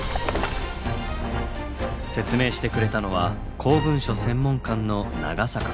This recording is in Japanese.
説明してくれたのは公文書専門官の長坂さん。